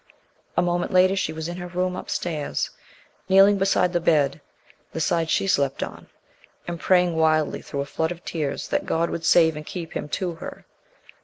A moment later she was in her room upstairs, kneeling beside the bed the side she slept on and praying wildly through a flood of tears that God would save and keep him to her.